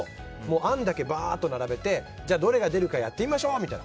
案だけばーっと並べてどれが出るかやってみましょうみたいな。